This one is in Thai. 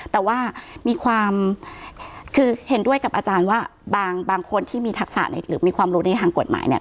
แต่ว่ามีความคือเห็นด้วยกับอาจารย์ว่าบางคนที่มีทักษะหรือมีความรู้ในทางกฎหมายเนี่ย